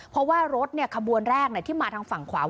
เพราะว่ารถขบวนแรกที่มาทางฝั่งขวา